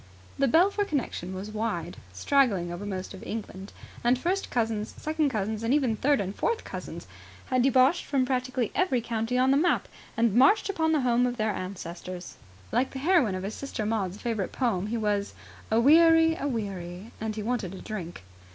The Belpher connection was wide, straggling over most of England; and first cousins, second cousins and even third and fourth cousins had debouched from practically every county on the map and marched upon the home of their ancestors. The effort of having to be civil to all of these had told upon Percy. Like the heroine of his sister Maud's favourite poem he was "aweary, aweary," and he wanted a drink.